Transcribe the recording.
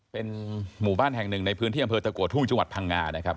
เป็นหมู่บ้านแห่งหนึ่งในพื้นที่อำเภอตะกัวทุ่งจังหวัดพังงานะครับ